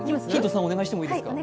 ３お願いしてもいいですか？